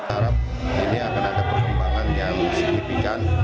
harap ini akan ada perkembangan yang signifikan